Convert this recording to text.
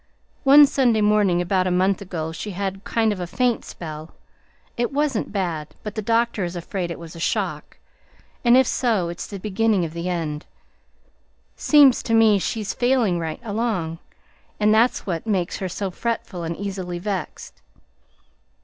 One Monday morning about a month ago, she had a kind of faint spell; it wasn't bad, but the doctor is afraid it was a shock, and if so, it's the beginning of the end. Seems to me she's failing right along, and that's what makes her so fretful and easy vexed.